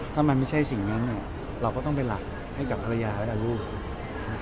ถ้ามันไม่ใช่สิ่งนั้นเราก็ต้องเป็นหลักให้กับภรรยาและลูก